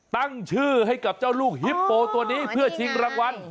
ตั้งชื่อให้กับเจ้าลูกฮิปโปตัวนี้เพื่อชิงรางวัล